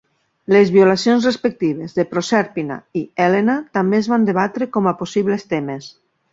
Les violacions respectives de Prosèrpina i Hèlena també es van debatre com a possibles temes.